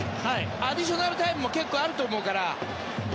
アディショナルタイムも結構あると思うから。